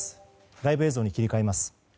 ライブ映像に切り替えます。